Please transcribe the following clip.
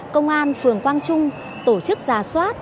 công an phường quang trung tổ chức giả soát